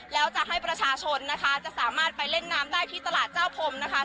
แล้วจะให้ประชาชนนะคะจะสามารถไปเล่นน้ำได้ที่ตลาดเจ้าพรมนะคะ